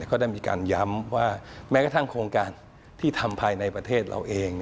ก็ได้มีการย้ำว่าแม้กระทั่งโครงการที่ทำภายในประเทศเราเอง